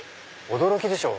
驚きでしょう。